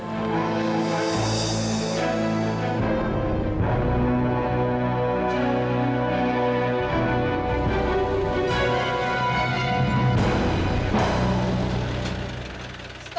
masih nggak berhasil